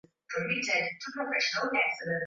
waziri mkuu shangirai ametishia